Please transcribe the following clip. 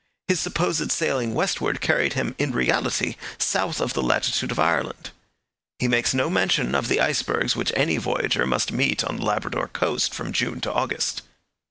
His supposed sailing westward carried him in reality south of the latitude of Ireland. He makes no mention of the icebergs which any voyager must meet on the Labrador coast from June to August.